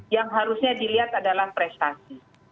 yang harusnya dilihat adalah prestasi